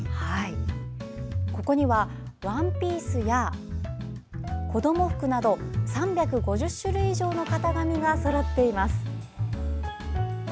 ここにはワンピースや子供服など３５０種類以上の型紙がそろっています。